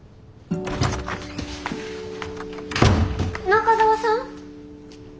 中澤さん？